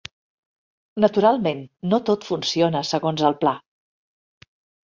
Naturalment no tot funciona segons el pla.